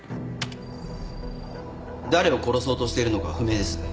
誰を殺そうとしているのか不明です。